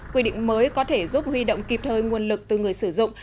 quy định mới có thể giúp huy động kịp thời nguồn lực từ người sử dụng